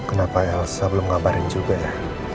udah ga pandai uya